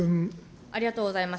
ありがとうございます。